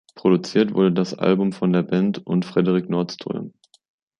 Produziert wurde das Album von der Band und Frederik Nordström.